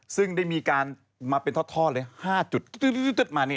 ซึ่งได้มีการมาเป็นท่อเลย๕จุดมา